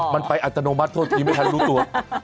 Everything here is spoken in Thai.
มันไปอัตโนมัติโทษทีไม่ทันรู้ตัว